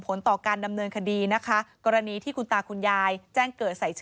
โปรดติดตามต่างกรรมโปรดติดตามต่างกรรม